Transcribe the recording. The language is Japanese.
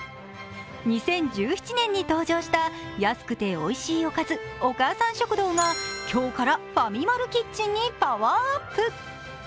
２０１７年に登場した安くておいしいおかず、お母さん食堂が今日からファミマルキッチンにパワーアップ。